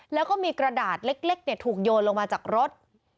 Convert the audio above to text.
แล้วก็มีกระดาษเล็กถูกโยนลงมาจากรถ